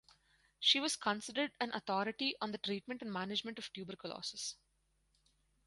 She was considered an authority on the treatment and management of tuberculosis.